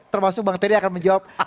termasuk bang terry akan menjawab